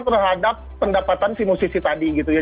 terhadap pendapatan si musisi tadi gitu ya